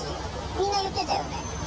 みんな言ってたよね。